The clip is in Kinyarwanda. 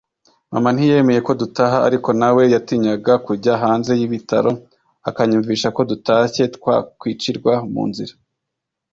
Mama ntiyemeye ko dutaha ariko na we yatinyaga kujya hanze y’ibitaro akanyumvisha ko dutashye twakwicirwa mu nzira